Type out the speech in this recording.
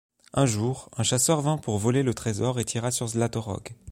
Un jour, un chasseur vint pour voler le trésor et tira sur Zlatorog.